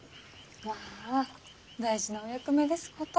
まぁ大事なお役目ですこと。